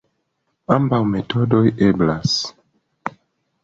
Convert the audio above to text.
Ambaŭ metodoj eblas.